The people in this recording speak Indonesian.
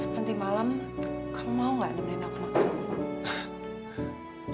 nanti malam kamu mau gak nemenin aku makan rumah